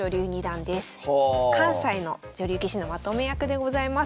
関西の女流棋士のまとめ役でございます。